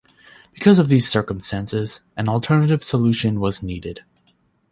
Because of these circumstances, an alternative solution was needed.